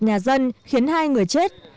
sập nhà dân khiến hai người chết